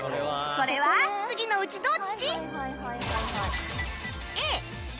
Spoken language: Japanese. それは次のうちどっち？